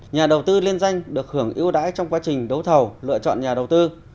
nhà đầu tư liên danh được hưởng ưu đãi trong quá trình đấu thầu lựa chọn nhà đầu tư